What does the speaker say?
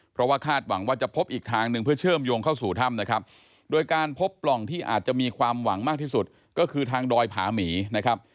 เพราะว่าคาดหวังว่าจะพบอีกทางหนึ่งเพื่อเชื่อมโยงเข้าสู่ถ้ำนะครับโดยการพบปล่องที่อาจจะมีความหวังมากที่สุดก็คือทางดอยผาหมีนะครับ